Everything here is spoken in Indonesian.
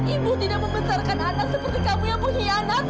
ibu tidak membesarkan anak seperti kamu yang mengkhianat